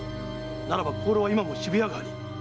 ならば香炉は今も渋谷川に？